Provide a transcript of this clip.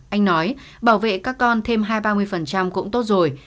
anh nói bảo vệ các con thêm hai trăm ba mươi cũng tốt rồi